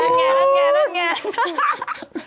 ดาดงาน